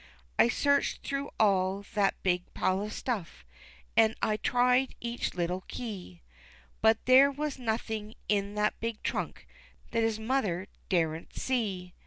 I searched through all that big pile of stuff, An' I tried each little key, But there was nothing in that big trunk That his mother daren't see.